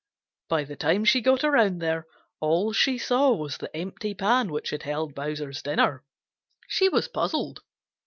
By the time she got around there, all she saw was the empty pan which had held Bowser's dinner. She was puzzled.